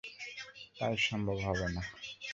তাই সম্ভব হবে না।